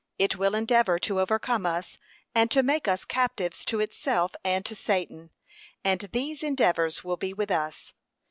It will endeavour to overcome us, and to make us captives to itself and to Satan; and these endeavours will be with us.